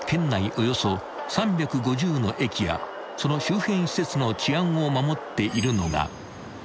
およそ３５０の駅やその周辺施設の治安を守っているのが］